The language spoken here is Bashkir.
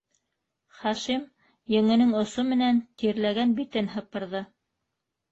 - Хашим еңенең осо менән тирләгән битен һыпырҙы.